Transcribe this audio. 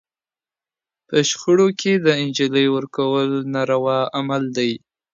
په شخړو کي د نجلۍ ورکول ناروا عمل دی